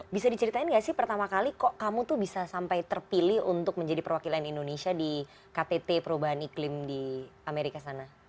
bisa diceritain gak sih pertama kali kok kamu tuh bisa sampai terpilih untuk menjadi perwakilan indonesia di ktt perubahan iklim di amerika sana